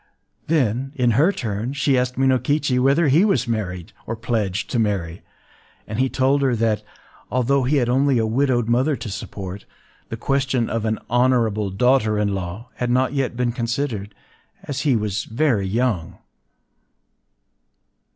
Then, in her turn, she asked Minokichi whether he was married, or pledged to marry; and he told her that, although he had only a widowed mother to support, the question of an “honorable daughter in law” had not yet been considered, as he was very young...